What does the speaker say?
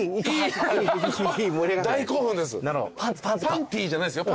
パンティーじゃないですよ